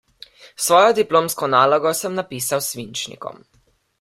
Svojo diplomsko nalogo sem napisal s svinčnikom.